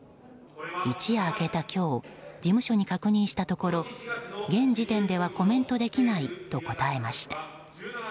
一夜明けた今日事務所に確認したところ現時点ではコメントできないと答えました。